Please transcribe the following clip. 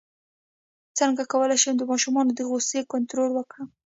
څنګه کولی شم د ماشومانو د غوسې کنټرول وکړم